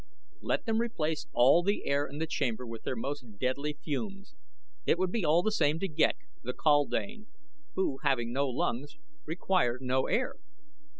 Let them replace all the air in the chamber with their most deadly fumes; it would be all the same to Ghek, the kaldane, who, having no lungs, required no air.